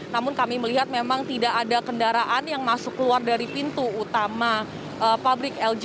namun kami melihat memang tidak ada kendaraan yang masuk keluar dari pintu utama pabrik lg